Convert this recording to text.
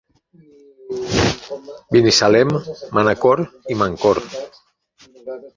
Binissalem, Manacor i Mancor.